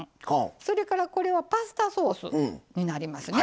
それから、これはパスタソースになりますね。